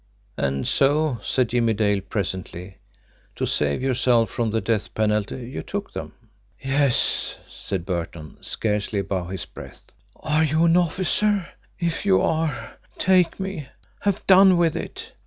"And so," said Jimmie Dale presently, "to save yourself from the death penalty you took them." "Yes," said Burton, scarcely above his breath. "Are you an officer? If you are, take me, have done with it!